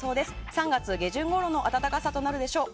３月下旬ごろの暖かさとなるでしょう。